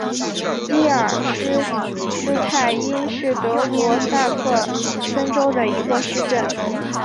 希尔施斯泰因是德国萨克森州的一个市镇。